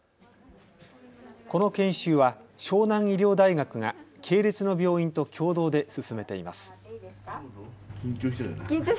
この研修は湘南医療大学が系列の病院と共同で進めています。